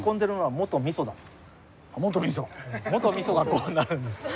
元ミソがこうなるんです。